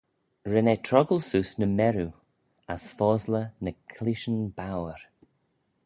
Ren eh troggal seose ny merriu as fosley ny cleayshyn bouyr.